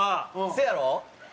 せやろ？